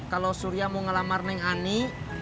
kalau surya mau ngelamar neng ani